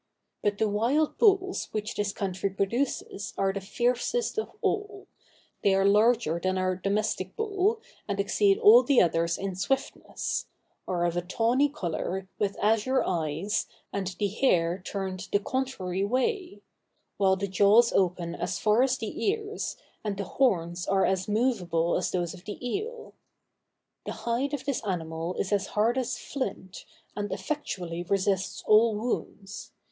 But the wild bulls which this country produces are the fiercest of all; they are larger than our domestic bull, and exceed all the others in swiftness; are of a tawny color, with azure eyes, and the hair turned the contrary way; while the jaws open as far as the ears, and the horns are as movable as those of the eale. The hide of this animal is as hard as flint, and effectually resists all wounds.